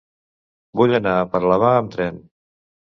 Vull anar a Parlavà amb tren.